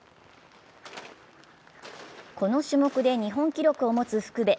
この種目で日本記録を持つ福部。